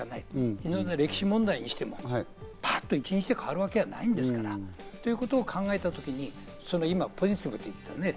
このような歴史問題にしても、パっと一日で変わるわけじゃないんですから、ということを考えたときに、今ポジティブと言ったね？